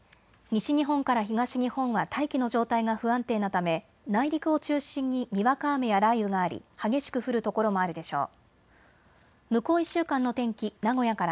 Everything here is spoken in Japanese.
西日本から東日本は大気の状態が不安定なため内陸を中心ににわか雨や雷雨があり激しく降る所もあるでしょう。